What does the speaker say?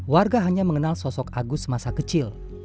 warga hanya mengenal sosok agus semasa kecil